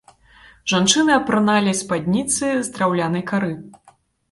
Жанчыны апраналі спадніцы з драўлянай кары.